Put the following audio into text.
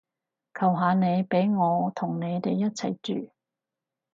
求下你畀我同你哋一齊住